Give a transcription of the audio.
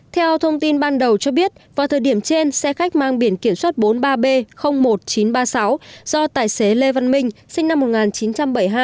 theo thông tin ban đầu cho biết vào thời điểm trên xe khách mang biển kiểm soát bốn mươi ba b một nghìn chín trăm ba mươi sáu do tài xế lê văn minh sinh năm một nghìn chín trăm bảy mươi hai